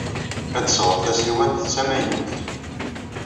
Ad d-sɣeɣ tasiwant d tamaynut.